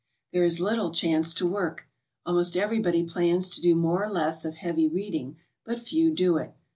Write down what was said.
There is little chance to work. Almost everybody plans to do more or less of heavy reading, but few do it.